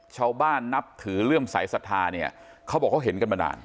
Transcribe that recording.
ชาวบ้านนับถือเลื่อมสายศรัทธาเนี่ยเขาบอกเขาเห็นกันมานาน